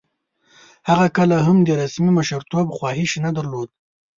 هغه کله هم د رسمي مشرتوب خواهیش نه درلود.